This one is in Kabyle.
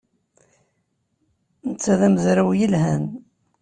Netta d amezraw yelhan.